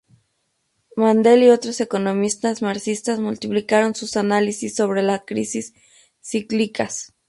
Mandel y otros economistas marxistas multiplicaron sus análisis sobre las crisis cíclicas.